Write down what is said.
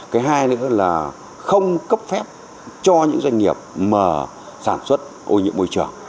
cái hai nữa là không cấp phép cho những doanh nghiệp mà sản xuất ô nhiễm môi trường